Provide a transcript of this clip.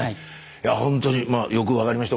いやほんとによく分かりました。